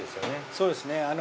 ◆そうですね。